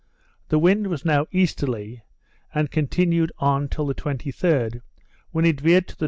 The wind was now easterly, and continued so till the 23d, when it veered to N.